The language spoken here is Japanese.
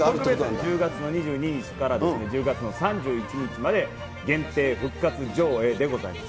１０月の２２日から１０月の３１日まで限定復活上映でございます。